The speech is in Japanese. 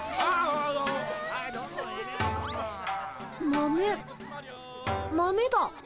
豆豆だ。